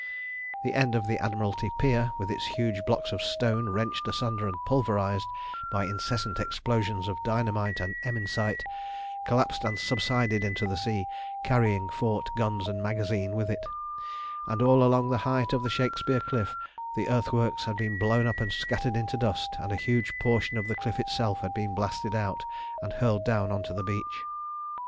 The end of the Admiralty Pier, with its huge blocks of stone wrenched asunder and pulverised by incessant explosions of dynamite and emmensite, collapsed and subsided into the sea, carrying fort, guns, and magazine with it; and all along the height of the Shakespeare cliff the earthworks had been blown up and scattered into dust, and a huge portion of the cliff itself had been blasted out and hurled down on to the beach.